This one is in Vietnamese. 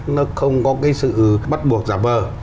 nó không có cái sự bắt buộc giả vờ